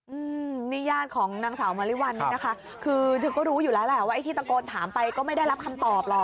อืมนี่ญาติของนางสาวมาริวัลเนี่ยนะคะคือเธอก็รู้อยู่แล้วแหละว่าไอ้ที่ตะโกนถามไปก็ไม่ได้รับคำตอบหรอก